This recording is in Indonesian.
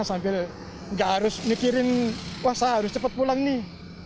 sambil gak harus mikirin wah saya harus cepat pulang nih